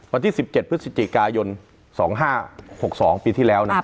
วันที่สิบเจ็ดพฤศจิกายนสองห้าหกสองปีที่แล้วน่ะอ่า